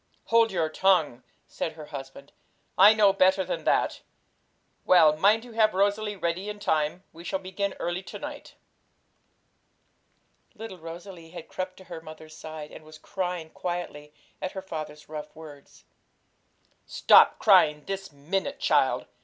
'Hold your tongue!' said her husband; 'I know better than that. Well, mind you have Rosalie ready in time; we shall begin early to night.' Little Rosalie had crept to her mother's side, and was crying quietly at her father's rough words. 'Stop crying this minute, child!'